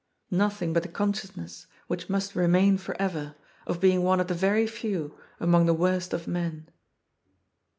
Nothing but the consciousness, which must remain forever, of being one of the very few among the worst of men.